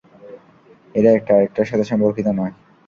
এরা একটা আরেকটার সাথে সম্পর্কিত নয়!